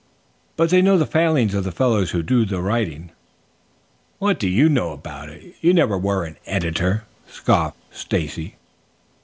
"But they know the failings of the fellows who do the writing." "What do you know about it? You never were an editor," scoffed Stacy.